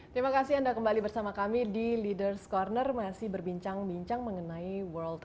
terima kasih anda kembali bersama kami di ⁇ leaders ⁇ corner masih berbincang bincang mengenai world